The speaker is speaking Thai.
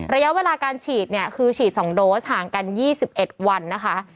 ระยะเวลาการฉีดเนี่ยคือฉีด๒โดสห่างกัน๒๑วันนะคะ